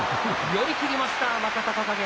寄り切りました、若隆景。